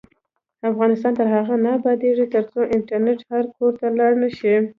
افغانستان تر هغو نه ابادیږي، ترڅو انټرنیټ هر کور ته لاړ نشي.